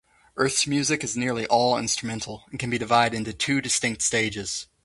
Earth's music is nearly all instrumental, and can be divided into two distinct stages.